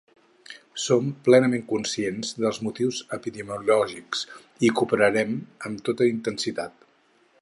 Som plenament conscients dels motius epidemiològics, i cooperarem amb tota intensitat.